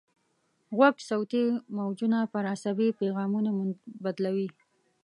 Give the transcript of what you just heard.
غوږ صوتي موجونه پر عصبي پیغامونو بدلوي.